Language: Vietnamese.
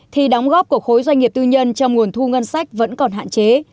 thì đóng góp của khối doanh nghiệp tư nhân trong nguồn thu ngân sách vẫn còn hạn chế